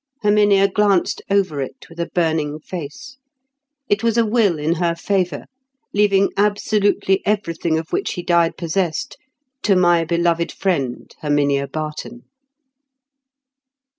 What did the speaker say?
Herminia glanced over it with a burning face. It was a will in her favour, leaving absolutely everything of which he died possessed "to my beloved friend, Herminia Barton."